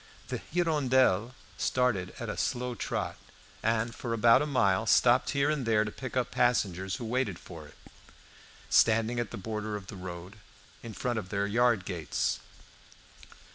The "Hirondelle" started at a slow trot, and for about a mile stopped here and there to pick up passengers who waited for it, standing at the border of the road, in front of their yard gates.